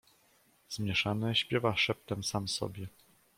"Zmieszany śpiewa szeptem sam sobie."